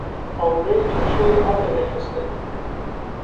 Amûreyê cilşoyê hate vêxistin